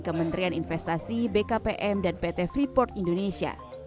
kementerian investasi bkpm dan pt freeport indonesia